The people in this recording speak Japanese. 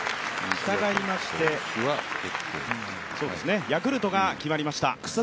したがいましてヤクルトが決まりました。